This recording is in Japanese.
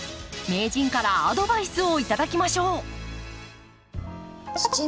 名人からアドバイスを頂きましょう。